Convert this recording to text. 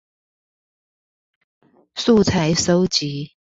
素材蒐集